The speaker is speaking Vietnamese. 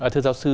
thưa giáo sư